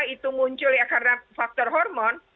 itu muncul ya karena faktor hormon